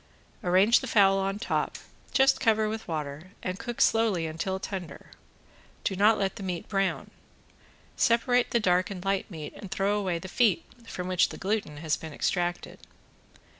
Arrange the fowl on top, just cover with water, and cook slowly until tender. Do not let the meat brown. Separate the dark and light meat and throw away the feet, from which the gluten has been extracted.